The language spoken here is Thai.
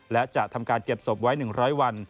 และจะทำการเก็บศพไว้๑๐๐วัน